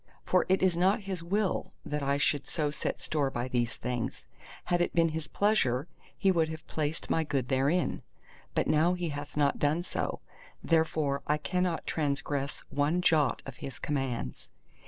For it is not His Will, that I should so set store by these things. Had it been His pleasure, He would have placed my Good therein. But now He hath not done so: therefore I cannot transgress one jot of His commands.